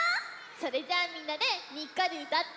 それじゃあみんなでにっこりうたって。